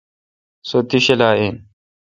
سو تی شلا این۔